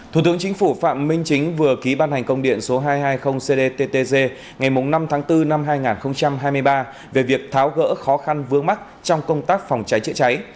thủ tướng chính phủ phạm minh chính vừa ký ban hành công điện số hai trăm hai mươi cdttg ngày năm tháng bốn năm hai nghìn hai mươi ba về việc tháo gỡ khó khăn vướng mắt trong công tác phòng cháy chữa cháy